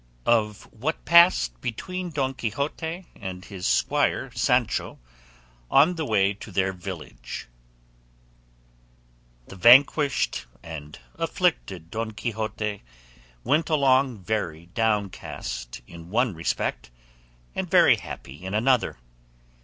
OF WHAT PASSED BETWEEN DON QUIXOTE AND HIS SQUIRE SANCHO ON THE WAY TO THEIR VILLAGE The vanquished and afflicted Don Quixote went along very downcast in one respect and very happy in another.